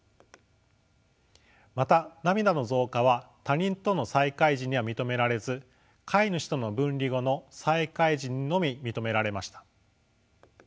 また涙の増加は他人との再会時には認められず飼い主との分離後の再会時にのみ認められました。